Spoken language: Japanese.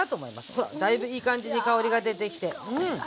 ほらだいぶいい感じに香りが出てきてうん。